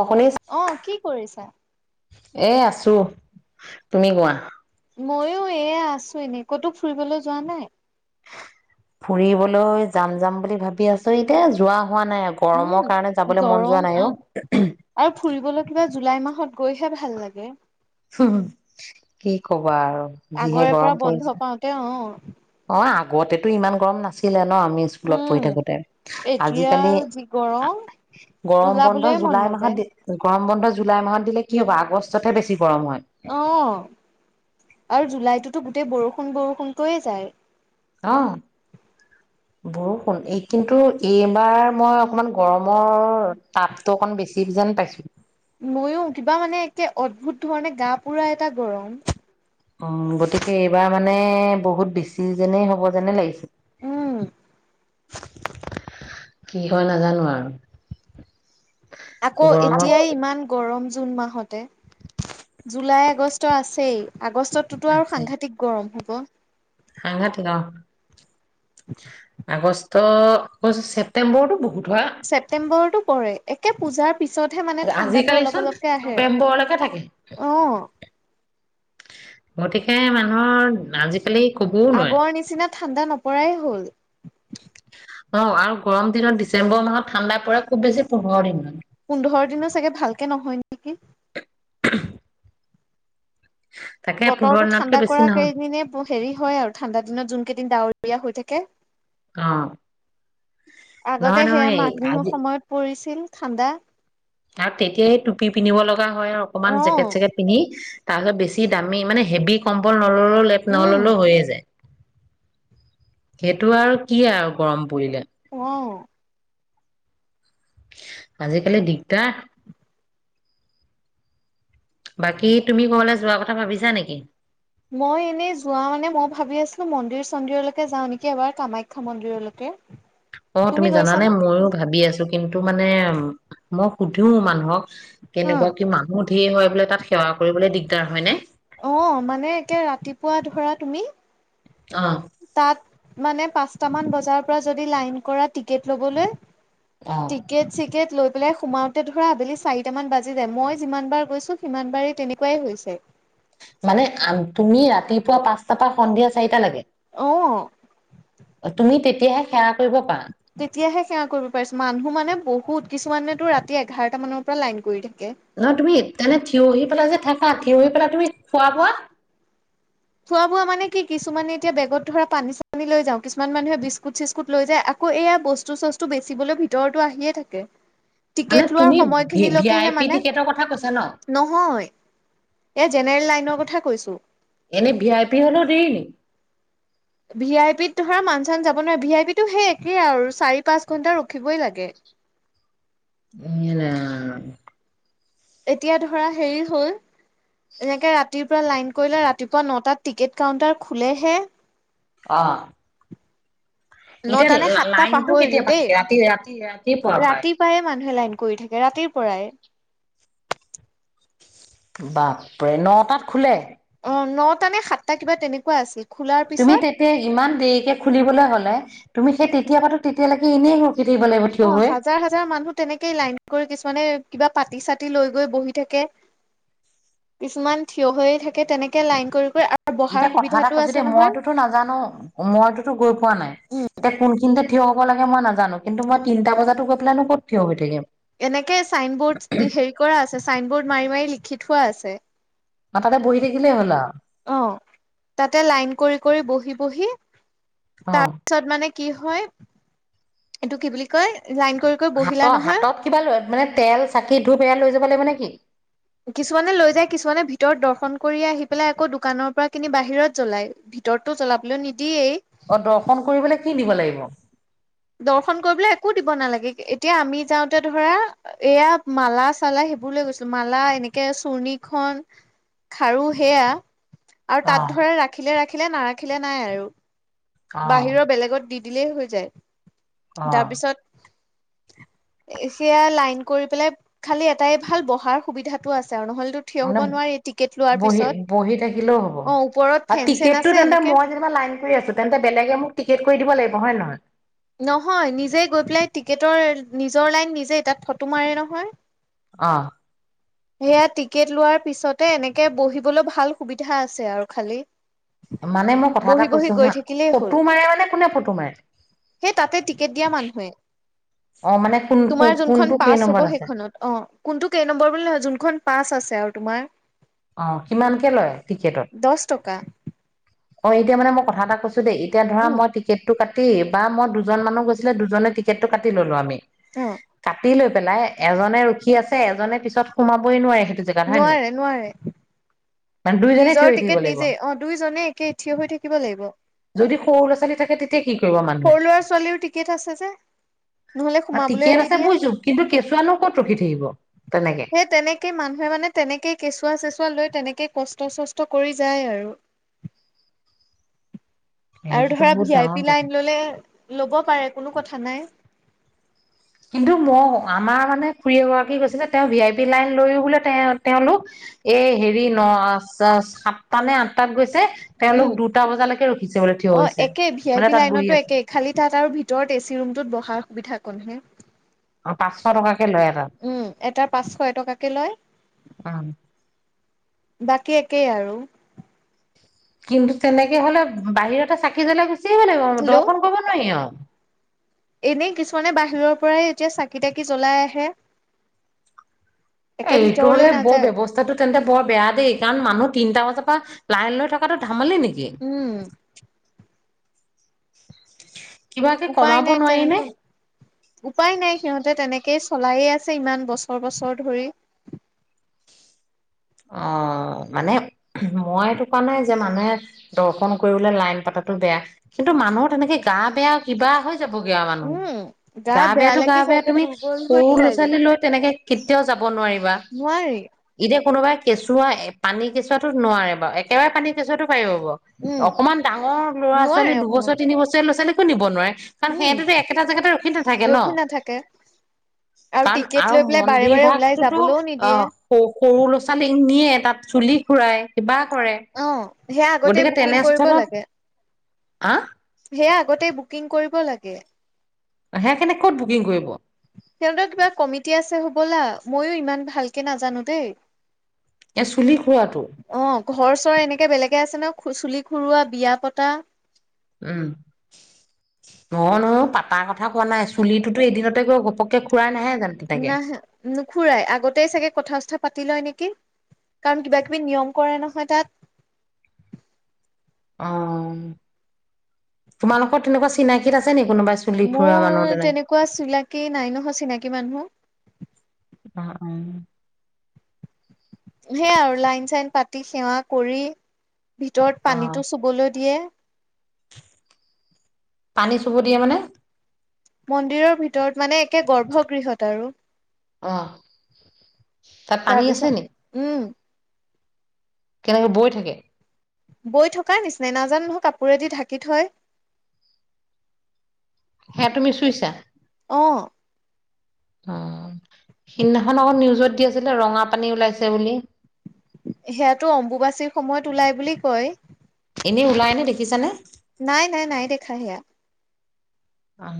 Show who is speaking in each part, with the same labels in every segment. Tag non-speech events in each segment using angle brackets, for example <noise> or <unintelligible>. Speaker 1: অকলেই
Speaker 2: অ কি কৰিছা?
Speaker 1: এ আছো তুমি কোৱা?
Speaker 2: ময়ো এয়া আছো এনে ক'তো ফুৰিবলৈ যোৱা নাই?
Speaker 1: ফুৰিবলৈ যাম-যাম বুলি ভাবি আছো এতিয়া যোৱা হোৱা নাই। গৰমৰ
Speaker 2: উম
Speaker 1: কাৰণে যাবলে মন
Speaker 2: গৰম
Speaker 1: যোৱা নাই অ'।
Speaker 2: আহ আৰু ফুৰিবলৈ কিবা জুলাই মাহত গৈহে ভাল লাগে।
Speaker 1: হঁ-, কি ক'বা আৰু। যিহে
Speaker 2: আগৰে পৰা
Speaker 1: গৰম পৰিছে
Speaker 2: বন্ধ পাওঁতে অ।
Speaker 1: অ' আগতেতো ইমান গৰম নাছিলে। ন' আমি স্কুলত পঢ়ি
Speaker 2: উম
Speaker 1: থাকোঁতে।
Speaker 2: এতিয়া
Speaker 1: আজিকালি
Speaker 2: আৰু যি গৰম
Speaker 1: গৰম বন্ধ
Speaker 2: ওলাবলে মন
Speaker 1: জুলাই মাহত
Speaker 2: নাযায়
Speaker 1: দে- গৰম ব জুলাই মাহত দিলে কি হ'ব? আগষ্টতহে বেছি গৰম হয়।
Speaker 2: অ আৰু জুলাইতোতো গোটেই বৰষুণ বৰষুণকৈয়ে যায়।
Speaker 1: অ বৰষুণ, এই কিন্তু এইবাৰ মই অকমান গৰমৰ তাপটো অকন বেছি যেন পাইছো।
Speaker 2: মইয়ো কিবা মানে একে অদ্ভুত ধৰণে গা-পোৰা এটা গৰম।
Speaker 1: উম, গতিকে এইবাৰ মানে বহুত বেছি যেনেই হ'ব যেনে লাগিছে।
Speaker 2: উম
Speaker 1: কি হয় নাজানো আৰু
Speaker 2: আকৌ
Speaker 1: গৰমত
Speaker 2: এতিয়াই ইমান গৰম জুন মাহতে জুলাই আগষ্ট আছেই আগষ্টটোততো আৰু সাংঘাতিক গৰম হ ক'
Speaker 1: সাংঘাটিক অ আগষ্ট ত <unintelligible> ছেপ্টেম্বৰ টো বহুত হয়
Speaker 2: ছেপটেম্বৰতো পৰে কে পূজাৰ পিছতহে মানে ঠাণ্ডাটো
Speaker 1: আজিকালি
Speaker 2: অলপ
Speaker 1: চোন
Speaker 2: অলপকে আহে।
Speaker 1: নৱেম্বৰলৈকে থাকে।
Speaker 2: অ',
Speaker 1: গতিকে মানে <unintelligible> আজিকালি কবও নোৱাৰে।
Speaker 2: আগৰ নিচিনা ঠাণ্ডা নপৰাই হ'ল।
Speaker 1: অ' আৰু গৰম দিনত ডিচেম্বৰ মাহত ঠাণ্ডা পৰে খুব বেছি পোন্ধৰ দিনমান।
Speaker 2: পোন্ধৰ দিনৰ চাগে, ভালকে নহয় নেকি?
Speaker 1: <inaudible> তাকে পোন্ধৰ
Speaker 2: বতৰটো
Speaker 1: দিনতকে
Speaker 2: ঠাণ্ডা
Speaker 1: বেছি
Speaker 2: কৰা
Speaker 1: নহয়
Speaker 2: কেইদিনে ব- হেৰি হয় আৰু। ঠাণ্ডা দিনত যোন কেইদিন ডাৱৰীয়া হৈ থা কে
Speaker 1: অ,
Speaker 2: আগতে সেয়া
Speaker 1: নহয়-নহয়
Speaker 2: মাঘ বিহুৰ
Speaker 1: আজি
Speaker 2: সময়ত পৰিছিল। ঠাণ্ডা
Speaker 1: আৰু তেতিয়াহে টুপি পিন্ধিব লগা হয় আৰু অকণমান
Speaker 2: অ',
Speaker 1: জেকট-চেকেট পিন্ধি তাৰপিছত বেছি দামি মানে হেভি কম্বল নল'লেও লেপ
Speaker 2: উম,
Speaker 1: নহ'ললেও হৈয়ে যায়। সেইটো আৰু কি আৰু গৰম পৰিলে
Speaker 2: অহ
Speaker 1: আজিকালি দিগদাৰ। বাকী তুমি ক'ৰবালৈ যোৱা কথা ভাবিছা নেকি
Speaker 2: মই এনে যোৱা মানে মই ভাবি আছিলোঁ, মন্দিৰ-চন্দিৰলৈকে যাওঁ নেকি এবাৰ? কামাখ্যা মন্দিৰলৈকে?
Speaker 1: অ' তুমি জানে ময়ো ভাবি আছোঁ‌। কিন্তু মানে মই সুধিও মানুহক কেনেকুৱা কি
Speaker 2: অ
Speaker 1: মানুহ ঢেৰ হয় বোলে। তাত সেৱা কৰিবলৈ দিগ তাৰ হয়নে
Speaker 2: অ'। মানে একে ৰাতিপুৱা ধৰা তুমি
Speaker 1: অ
Speaker 2: তাত মানে পাঁ‌চটামান বজাৰ পৰা যদি লাইন কৰা টিকেট ল'বলে
Speaker 1: অ
Speaker 2: টিকেট-চিকেট লৈ পেলাই সোমাওতে ধৰা আবেলি চাৰিট মান বাজি যায় মই যিমান বাৰ গৈছো সিমান বাৰ তেনেকুৱাই হৈছে।
Speaker 1: মানে আ- তুমি ৰাতিপুৱা পাঁচটাৰ পৰা সন্ধিয়া চাৰিটা লৈকে
Speaker 2: অ
Speaker 1: অ' তুমি তেতি সতিয়াে খে <inaudible>
Speaker 2: তেতিয়াহে সেৱা কৰিব পাৰিছোঁ। মানুহ মানে বহুত। কিছুমানেতো ৰাতি এঘাৰটামানৰ পৰা লাইন কৰি থা
Speaker 1: নহয়, তুমি তেনে থিয় হৈ পেলাই যে থা খ থিই পেলাই তুমি খোৱা বোৱা <unintelligible>
Speaker 2: খোৱা-বোৱা মানে কি, কিছুমানে এতিয়া বেগত ধৰা পানী-চানী লৈ যাওঁ। কিছুমান মানুহে বিস্কুট-চিস্কুট লৈ যায়। আকৌ এয়া বস্তু-চস্তু বেচিবলৈ ভিতৰতো আহিয়ে থাকে।
Speaker 1: মানে
Speaker 2: টিকেট লোৱাৰ
Speaker 1: তুমি ভি আই
Speaker 2: সময়খিনিলৈকেহে
Speaker 1: পি
Speaker 2: মানে।
Speaker 1: টিকেটৰ কথা কৈছা ন
Speaker 2: নহয়। এ জেনেৰেল লাইন ৰ কথা কৈছোঁ।
Speaker 1: এনেই ভি আই পি হল দৰি
Speaker 2: ভি আই পিত ধৰা মানুহ- চান যাব নোৱাৰে। ভি আই পিতো সেই একেই আৰু। চাৰি-পাঁচ ঘন্টা ৰখিবই লাগে।
Speaker 1: <unintelligible>
Speaker 2: এতিয়া ধৰা হেৰি হ'ল। এনেকে ৰাতিৰ পৰা লাইন কৰিলে ৰাতিপুৱা ন'টাত টিকেট কাউণ্টাৰ খুলেহে।
Speaker 1: অ'। এতিয়া
Speaker 2: নটা নে
Speaker 1: লা-
Speaker 2: সাতটা
Speaker 1: লাইনটো
Speaker 2: পাহৰিলো
Speaker 1: কেতিয়াৰ পৰা
Speaker 2: দেই
Speaker 1: থাকে? ৰাতি- ৰাতি- ৰাতিপুৱাৰ পৰাই।
Speaker 2: ৰাতিপুৱাই মানুহে লাইন কৰি থাকে ৰাতিৰ পৰাই।
Speaker 1: বাপৰে ন টাত খোলে।
Speaker 2: অ' নটা নে সাতটা কিবা তেনেকুৱা আছিল। খোলাৰ
Speaker 1: তুমি
Speaker 2: পিছত
Speaker 1: তেতিয়া ইমান দেৰিকে খুলিবলৈ হ'লে তুমি সেই তেতিয়াৰ পৰাতো তেতিয়ালৈকে এনেই ৰ
Speaker 2: অ' হাজাৰ হাজাৰ মানুহ তেনেকেই লাইন কৰি কিছুমানে কিবা পাতি চাতি লৈ গৈ বহি থাকে। কিছুমান থিয় হৈ থাকে তেনেকে লাইন কৰি কৰি আৰু বহাৰ
Speaker 1: এতিয়া কথা এটা
Speaker 2: সুবিধাটো
Speaker 1: কৈছোঁ
Speaker 2: আছে
Speaker 1: দেই
Speaker 2: নহয়
Speaker 1: মইতোতো নাজানো মইতোতো গৈ পোৱা নাই।
Speaker 2: উম
Speaker 1: এতিয়া কোনখিনিতে থিয় হব লাগে মই নাজানো কিন্তু মই তিনটা বজাতো গৈ পেলাইনো ক'ত থিয় হৈ থাকম?
Speaker 2: এনেকে চাইনবৰ্ড হেৰি কৰা আছে চাইন বৰ্ড মাৰি মাৰি লিখি থোৱা আছে।
Speaker 1: আৰু তাতে বহি থাকিলে হ'ল আৰু
Speaker 2: অ তাতে লাইন কৰি -কৰি -বহি -বহি
Speaker 1: অ
Speaker 2: তাৰপিছত মানে কি হয়? এইটো কি বুলি কয়? লাইন কৰি কৰি
Speaker 1: হাতত
Speaker 2: বহিলা নহয়
Speaker 1: -হাতত কিবা লৈ মানে তেল চাকি ধূপ এয়া লৈ যাব লাগিব নেকি?
Speaker 2: কিছুমানে লৈ যায় কিছুমানে ভিতৰত দৰ্শন কৰি আহি পেলাই আকৌ দোকানৰ পৰা কিনি বাহিৰত জ্বলাই ভিতৰততো জ্বলাবলৈ নিদিয়েই।
Speaker 1: অ', দৰ্শন কৰিবলে কি নিব লাগিব?
Speaker 2: দৰ্শন কৰিবলৈ একো দিব নালাগে। এতিয়া আমি যাওঁতে ধৰা এয়া মালা-চালা সেইবোৰ লৈ গৈছিলোঁ। মালা এনেকে চুৰ্ণিখন, খাৰু সেয়া আৰু
Speaker 1: অ
Speaker 2: তাত ধৰে ৰাখিলে ৰা ৰাখিলে নাৰাখিলে নাই আৰু।
Speaker 1: অ
Speaker 2: বাহিৰৰ বেলেগত দি দিলেই হৈ যায়।
Speaker 1: অ
Speaker 2: তাৰপিছত সেয়া লাইন কৰি পেলাই খালি এটাই ভাল বহাৰ সুবিধাতটো আছে আৰু নহ'লেতো থিয়
Speaker 1: মানে
Speaker 2: হ'ব নোৱাৰি টিকেট লোৱাৰ
Speaker 1: বহি
Speaker 2: পিছত।
Speaker 1: -বহি থাকিলেও হ'ব
Speaker 2: অ ওপৰত
Speaker 1: আৰু
Speaker 2: ফেন চেন
Speaker 1: টিকেটটো
Speaker 2: আছে
Speaker 1: তেন্তে
Speaker 2: এনেকে।
Speaker 1: মই যেনিবা লাইন কৰি আছো তেন্তে বেলেগে মোক টিকেট কৰি দিব লাগিব নহয় -নহয়
Speaker 2: নহয়, নিজে গৈ পেলাই টিকেটৰ নিজৰ লাইন নিজেই তাত ফটো মাৰে নহয়?
Speaker 1: অ'
Speaker 2: সেয়া টিকেট লোৱাৰ পিছতে এনেকে বহিবলৈ ভাল সুবিধা আছে আৰু খালি।
Speaker 1: মানে মই কথা এটা
Speaker 2: বহি বহি
Speaker 1: কৈছোঁ
Speaker 2: গৈ
Speaker 1: হাঁ,
Speaker 2: থাকিলেই হ'ল
Speaker 1: ফটো মাৰে মানে কোনে ফটো মাৰে?
Speaker 2: সেই তাতে টিকেট দিয়া মানুহে,
Speaker 1: অ মানে কোন
Speaker 2: তোমাৰ যোনখন
Speaker 1: কোনটো কেই
Speaker 2: পাছ হ'ব
Speaker 1: নম্বৰত আছে
Speaker 2: সেইখনত অ কোনটো কেই নম্বৰ বুলি নহয় যোনখন পা মাছ আছে আৰু তোমাৰ?
Speaker 1: অহ কিমানকে লয় টিকেটত?
Speaker 2: দহ টকা
Speaker 1: অ 'এতিয়া মানে মই কথা এটা কৈছো। দেই এতিয়া ধৰা
Speaker 2: উম
Speaker 1: মই টিকেটটো কাটো <unintelligible> বা মই দুজন মানুহ গৈছিলে দুজনে টিকেটটো কাটি ললো আমি।
Speaker 2: অ
Speaker 1: কাটি লৈ পেলাই এজনে ৰখি আছে, এজনে পিছত সোমাবই নোৱাৰে হে
Speaker 2: নোৱাৰে-নোৱাৰে
Speaker 1: মানে দুইজনে থিয় থাকিব লাগিব?
Speaker 2: অ দুইজনে একে থিয় হৈ থাকিব লাগিব
Speaker 1: যদি সৰু ল'ৰা ছোৱালী থাকে তেতিয়া কি কৰিব মানুহে?
Speaker 2: সৰু ল'ৰা ছোৱালীও টিকেট আছে যে নহলে সোমাবলৈ
Speaker 1: টিকেট আছে
Speaker 2: নিদিয়ে
Speaker 1: বুইছো কিন্তু কেঁচুৱানো ক'ত ৰখি থাকিব তেনেকে
Speaker 2: সেই তেনেকে মানুহে মানে তেনেকেই কেঁচুৱা চে লৈ তেনেকে কষ্ট চষ্ট কৰি যায় আৰু আৰু
Speaker 1: সেইটোতো
Speaker 2: ধৰা
Speaker 1: বহুত
Speaker 2: ভি আই
Speaker 1: ডাঙৰ
Speaker 2: পি
Speaker 1: কথা
Speaker 2: লাইন ল'লে লব পাৰে কোনো কথা নাই।
Speaker 1: কিন্তু ম আমাৰ মানে খুৰী এগৰাকী গৈছিলে তেওঁ ভি আই পি লাইন লৈ বোলে তে তেওঁলোক এই হেৰি ন সাতটা নে আঠটাত গৈছে তেওঁলোক
Speaker 2: উম,
Speaker 1: দুটা বজালৈকে ৰখিছে বোলে থিয়
Speaker 2: অ
Speaker 1: হৈছে
Speaker 2: একে ভি আই
Speaker 1: মানে
Speaker 2: পি
Speaker 1: তাত বহি
Speaker 2: লাইনতো
Speaker 1: আছে
Speaker 2: একে খালি তাত আৰু ভিতৰত এচি ৰুমটোত বহাৰ সুবিধা কমহে।
Speaker 1: অ পাঁচশ টকা
Speaker 2: উম এটাৰ পাঁচশ এটকাকে লয়।
Speaker 1: অ
Speaker 2: বাকী একেই আৰু।
Speaker 1: কিন্তু তেনেকে হ'লে বাহিৰতে চাকি জ্বলাই গুচি <unintelligible>
Speaker 2: হেল্ল'
Speaker 1: দৰ্শন কৰিব নোৱাৰি আৰু।
Speaker 2: এনেই কিছুমানে বাহিৰৰ পৰাই এতিয়া চাকি তাকি জ্বলাই আহে।
Speaker 1: এ
Speaker 2: একে
Speaker 1: এইটো
Speaker 2: ভিতৰলৈ
Speaker 1: হ'লে বৰ
Speaker 2: নাযায়
Speaker 1: ব্যৱস্থাটো তেন্তে বৰ বেয়া দেই কাৰণ মানুহ তিনটা বজাৰ পৰা লাইন লৈ থকাটো <unintelligible> মালি নেকি?
Speaker 2: উম
Speaker 1: <inaudible>
Speaker 2: উপায়
Speaker 1: কমাব
Speaker 2: নাই
Speaker 1: নোৱাৰি নে
Speaker 2: তেনেকে উপায় নাই সি তে তেনেকেই চলায়ে আছে ইমান বছৰ, বছৰ ধৰি।
Speaker 1: অ মানে মই এইটো কোৱা নাই যে মানুহে দৰ্শন কৰিবলে লাইন পাতাটো বেয়া, কিন্তু মানুহৰ তেনেকে গা বেয়া কিবা হয় যাব গে আৰু মানুহ
Speaker 2: উম
Speaker 1: গা
Speaker 2: বেয়া
Speaker 1: বেয়াতো গা
Speaker 2: লাগি
Speaker 1: বেয়া
Speaker 2: যায়গে
Speaker 1: তুমি
Speaker 2: দুৰ্বল হৈ
Speaker 1: সৰু ল'ৰা
Speaker 2: যায়গে
Speaker 1: ছোৱালী লৈ তেনেকে কেতিয়াও যাব নোৱাৰিবা
Speaker 2: নোৱাৰি
Speaker 1: এতিয়া কোনোবাই কেঁচুৱা পানী কেঁচুৱাটো নোৱাৰে বাৰু একেবাৰে পানী কেঁচুৱাটো পাৰিব বাৰু,
Speaker 2: উম।
Speaker 1: অকণমান ডাঙৰ ল'ৰা ছোৱালী
Speaker 2: নোৱাৰে অকমান
Speaker 1: দুবছৰ তিনি বছৰীয়া ল'ৰা ছোৱালী নিব নোৱাৰে। কাৰণ
Speaker 2: উম
Speaker 1: সিহঁতেতো একেটা জেগাতে ৰখি নাথাকে ন?
Speaker 2: ৰখি নাথাকে
Speaker 1: কাৰণ
Speaker 2: টিকেট
Speaker 1: আৰু
Speaker 2: লৈ পেলাই বাৰে
Speaker 1: মন্দিৰ
Speaker 2: বাৰে ওলাই
Speaker 1: ভাগটোতো
Speaker 2: যাবলৈও
Speaker 1: অ
Speaker 2: নিদিয়ে
Speaker 1: স সৰু ল'ৰা ছো নিয়ে, তাত চুলি খুৰাই, কিবা কৰে।
Speaker 2: অ সেয়া আগতেই বুকিং কৰিব লাগে।
Speaker 1: আ?
Speaker 2: সেয়া আগতেই বুকিং কৰিব লাগে।
Speaker 1: সেইখেনে ক'ত বুকিং কৰিব?
Speaker 2: সিহঁতৰ কিবা কমিটি আছে হবলা ময়ো ইমান ভালকে নাজানো দেই।
Speaker 1: এই চুলি খুৰাটো
Speaker 2: অ ঘৰ চৰ এনেকে বেলেগে আছে ন <unintelligible> চুলি খুৰুৱা, বিয়া পতা
Speaker 1: উম ন ন পাতাৰ কথা কোৱা নাই চুলিটোতো এদিনতে গৈ ঘপককে খুৰাই নাহে। জানো তেনেকে
Speaker 2: নাহে, নুখুৰায়। আগতেই চাগে কথা-চথা পাতি লয় নেকি কাৰণ কিবা কিবি নিয়ম কৰে নহয় তাত।
Speaker 1: অ'। তোমালোকৰ তেনেকুৱা চিনাকিত আছে নে?
Speaker 2: মোৰ তেনেকুৱা চিনাকী নাই নহয় চিনাকী মানুহ
Speaker 1: উম
Speaker 2: সেয়া আৰু লাইন-চাইন পাতি সেৱা কৰি ভিতৰত
Speaker 1: অ
Speaker 2: পানীটো চুবলৈ দিয়ে।
Speaker 1: পানী চুব দিয়ে মানে?
Speaker 2: মন্দিৰৰ ভিতৰত মানে একে গৰ্ভগৃহত আৰু।
Speaker 1: অ ', তাত পানী আছে
Speaker 2: তাৰপিছত
Speaker 1: নেকি?
Speaker 2: উম
Speaker 1: কেনেকে? বৈ থাকে?
Speaker 2: বৈ থকাৰ নিচিনা নাজানো নহয় কাপোৰেদি ঢাকি থয়।
Speaker 1: সেয়া তুমি চুইছা।
Speaker 2: অ
Speaker 1: অ' সিদিনাখন আকৌ নিউজত দি আছিলে ৰঙা পানী ওলাইছে বুলি?
Speaker 2: সেয়াতো অম্বুবাচীৰ সময়ত ওলায় বুলি কয়।
Speaker 1: এনেই ওলায়নে দেখিছানে?
Speaker 2: নাই, নাই, নাই দেখা সেয়া।
Speaker 1: অ'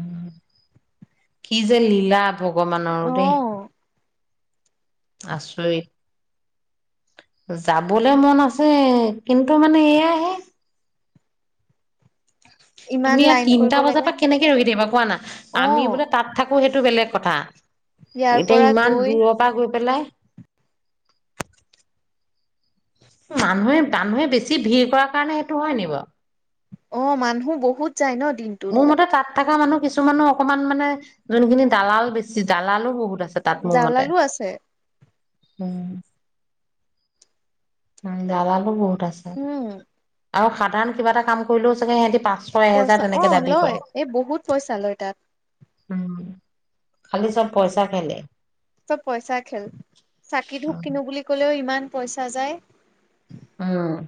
Speaker 1: কি যে লীলা। ভগৱানৰো
Speaker 2: অ
Speaker 1: দেই। আচৰিত। যাবলে মন আছে, কিন্তু মানে এয়াহে
Speaker 2: ইমান
Speaker 1: তুমি ইয়াত
Speaker 2: লাইন কৰিব
Speaker 1: তিনিটা বজাৰ
Speaker 2: লাগে
Speaker 1: পৰা কেনেকে ৰখি থাকিবা কোৱা না
Speaker 2: অ
Speaker 1: আমি বোলে তাত থাকো সেইটো বেলেগ কথা
Speaker 2: ইয়াৰ
Speaker 1: এতিয়া
Speaker 2: পৰা
Speaker 1: ইমান
Speaker 2: গৈ
Speaker 1: দূৰৰ পৰা গৈ পেলাই মানুহে -মানুহে বেছি ভিৰ কৰাৰ কাৰণে সেইটো হয় নি বাৰু?
Speaker 2: অ' মানুহ বহুত যাই ন' দিনটোত।
Speaker 1: থাকা মানুহ কিছুমানো অকনমান মানে, যোনখিনি দালাল বেছি- দালালো বহুত ত আছে তাত মোৰ মতে
Speaker 2: জালালো আছে
Speaker 1: উম '। নম যাৰল। <inaudible> প্ৰছাদ
Speaker 2: উম
Speaker 1: <inaudible> আৰু সাধাৰণ কিবা এটা কাম কৰিলেও চাগে সিহতি পা
Speaker 2: পইচা অ' লয় এই বহুত পইচা লয় তাত।
Speaker 1: উম, খালি চব পইচা খেলে।
Speaker 2: চব পইচা খেল চাকি-ধূপ কিনো বুলি ক'লেও ইমান। পইচা যায়।
Speaker 1: উম'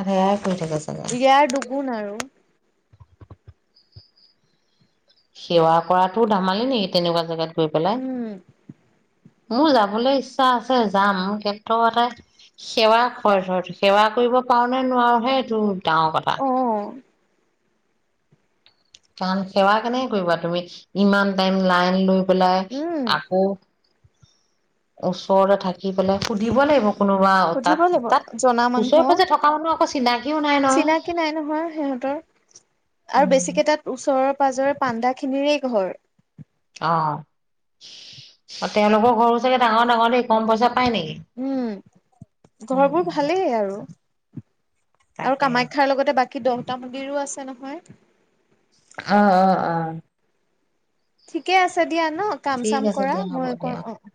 Speaker 1: আৰে
Speaker 2: ইয়াৰ দুগুণ আৰু
Speaker 1: সেৱা কৰাতো ধেমালি নেকি তেনেকুৱা জেগাত গৈ পেলাই
Speaker 2: উম
Speaker 1: মোৰ যাবলৈ ইচ্ছা আছে যাম। মোৰ কিন্তু মানে সেৱা হয় সেৱা কৰিব পাৰো নে নোৱাৰো সেইটো। <unintelligible> কথা
Speaker 2: অ
Speaker 1: কাৰণ সেৱা কেনেকে কৰিবা। তুমি ইমান টাইম লাইন লৈ পেলাই
Speaker 2: উম
Speaker 1: আকৌ ওচৰতে থাকি পেলাই সুধিব লাগিব। কোনোবা তাত
Speaker 2: সুধিব লাগিব
Speaker 1: তাত
Speaker 2: জনা
Speaker 1: ওচৰে
Speaker 2: মানুহক
Speaker 1: পাজৰে থকা মানুহ আকৌ চিনাকিও নাই নহয়।
Speaker 2: চিনাকি নাই নহয় সিহঁতৰ আৰু
Speaker 1: উম,
Speaker 2: বেছিকেই তাত ওচৰৰ ওচৰে পাজৰে পাণ্দাখিনিৰেই ঘৰ।
Speaker 1: অ, তেওঁলোকৰ ঘৰো চাগে ডাঙৰ ডাঙৰ দেই কম পইচাত
Speaker 2: উম
Speaker 1: উম।
Speaker 2: ঘৰবোৰ ভালেই আৰু। আৰু
Speaker 1: তাকেহে
Speaker 2: কামাখ্যাৰ লগতে বাকী বাকী দহটা মন্দিৰো আছে নহয়।
Speaker 1: আহ অ' আহ।
Speaker 2: ঠিকে আছে। দিয়া ন কাম
Speaker 1: ঠিক
Speaker 2: চাম
Speaker 1: আছে
Speaker 2: কৰা
Speaker 1: দিয়া হ'ব
Speaker 2: মই
Speaker 1: দিয়া।
Speaker 2: কৰো অ'।